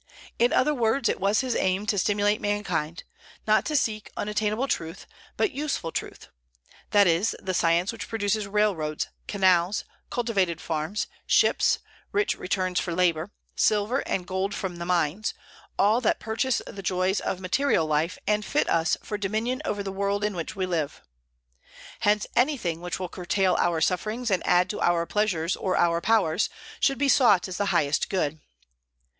In other words, it was his aim to stimulate mankind, not to seek unattainable truth, but useful truth; that is, the science which produces railroads, canals, cultivated farms, ships, rich returns for labor, silver and gold from the mines, all that purchase the joys of material life and fit us for dominion over the world in which we live. Hence anything which will curtail our sufferings and add to our pleasures or our powers, should be sought as the highest good.